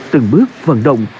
từng bước vận động